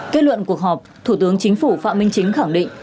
kết luận cuộc họp thủ tướng chính phủ phạm minh chính khẳng định